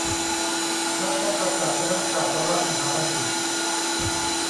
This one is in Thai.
รัฐประศาสนศาสตรมหาบัณฑิต